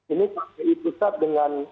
ini pakai itu saat dengan